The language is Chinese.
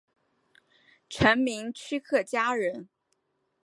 陈铭枢客家人。